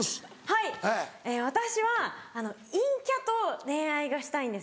はい私は陰キャと恋愛がしたいんです。